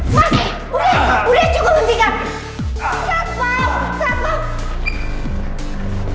mas boleh cukup mendingan satpam satpam